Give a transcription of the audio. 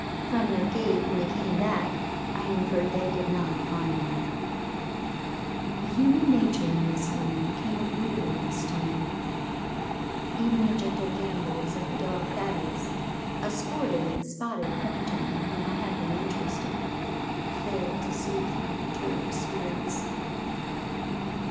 From their gait when they came back I inferred they did not find them. The human nature in the saloon became a weariness to me. Even the gentle gambols of the dog Thaddeus, a sportive and spotted pointer in whom I had been interested, failed to soothe my perturbed spirits.